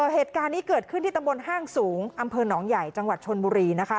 เหตุการณ์นี้เกิดขึ้นที่ตำบลห้างสูงอำเภอหนองใหญ่จังหวัดชนบุรีนะคะ